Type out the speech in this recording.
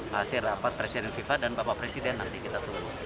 hasil rapat presiden fifa dan bapak presiden nanti kita tunggu